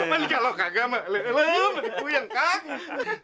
menikah lo kagak menikuh yang kagak